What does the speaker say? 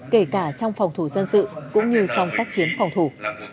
kể cả trong phòng thủ dân sự cũng như trong tác chiến phòng thủ